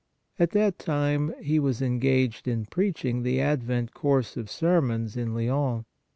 At that time he was engaged in preaching the Advent course of sermons in Lyons.